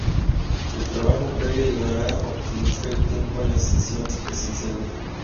El trabajo previo ayudará a optimizar el tiempo en las sesiones presenciales.